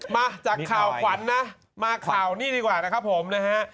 มาจากข่าวขวัญนะมาข่าวนี้ดีกว่านะครับผมนะฮะ